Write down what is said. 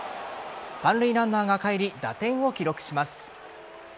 三塁ランナーがかえり打点を記録します。